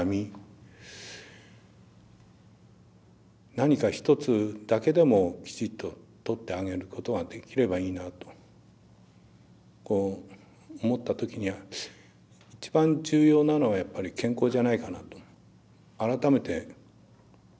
何か１つだけでもきちっと取ってあげることができればいいなと思った時には一番重要なのはやっぱり健康じゃないかなと改めて思って。